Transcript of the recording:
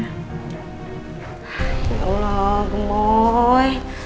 ya allah gemoy